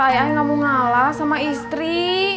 yang gak mau ngalah sama istri